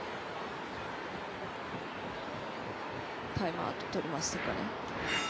タイムアウトとりましたかね。